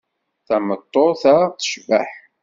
Tameṭṭut-a tecbeḥ.